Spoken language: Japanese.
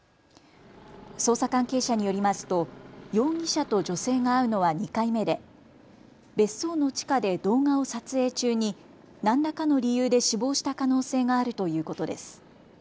捜査関係者によりますと容疑者と女性が会うのは２回目で別荘の地下で動画を撮影中に何らかの理由で死亡した可能性があるということです。